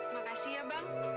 makasih ya bang